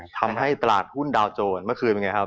ทำให้ตลาดหุ้นดาวโจรเมื่อคืนเป็นไงครับ